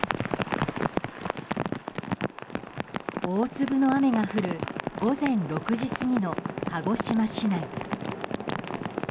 大粒の雨が降る午前６時過ぎの鹿児島市内。